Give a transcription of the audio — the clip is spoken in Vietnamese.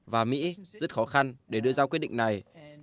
và mỹ rất khó khăn để đưa ra quyết định này